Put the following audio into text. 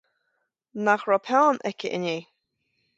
Nach raibh peann aici inné